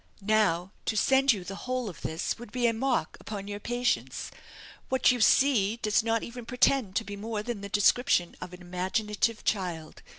Now, to send you the whole of this would be a mock upon your patience; what you see, does not even pretend to be more than the description of an imaginative child.